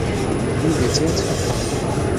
তুমি বেঁচে আছো।